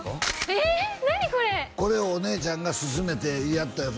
これこれお姉ちゃんが勧めてやったんよ